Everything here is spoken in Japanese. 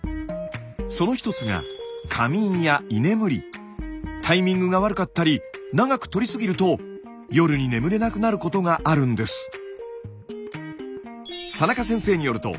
その一つがタイミングが悪かったり長くとりすぎると夜に眠れなくなることがあるんです。